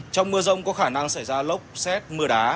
trong mưa rông có khả năng xảy ra lốc xét mưa đá